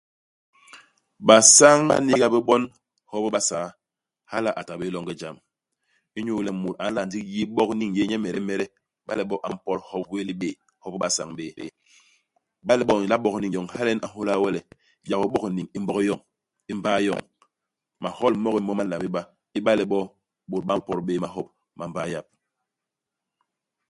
Basañ ba n'niiga bé bon hop basaa, hala a ta bé longe i jam. Inyu le mut a nla ndigi yi bok niñ yéé nyemedemede, iba le bo a mpot hop wéé u libéé, hop u basañ béé. Iba le bo u nla bok niñ yoñ, hala nyen a nhôla we le yak we u bok niñ i Mbog yoñ i mbay yoñ. Mahol mo ki mo ma nla bé ba iba le bo bôt ba mpot bé mahop ma mbay yap.